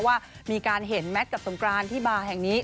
ว่ามีการเห็นแมทกับสงกรานที่บาร์แห่งนี้